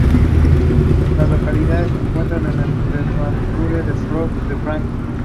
La localidad se encuentra en la prefectura de Fort-de-France.